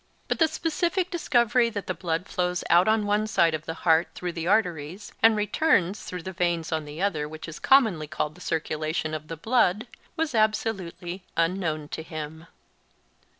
But the specific discovery that the blood flows out on one side of the heart through the arteries and returns through the veins on the other, which is commonly called the circulation of the blood, was absolutely unknown to him.